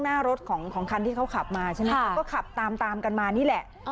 หน้ารถของขั้นที่เขาขับมาฉะนั้นเขาก็ขับตามกันมานี่แหละ